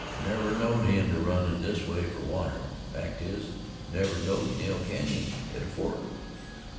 "Never knowed him to run in this way fer water; fact is, never knowed Nail Canyon had a fork.